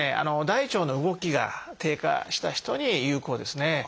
大腸の動きが低下した人に有効ですね。